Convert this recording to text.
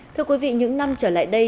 thưa quý vị những năm trở lại đây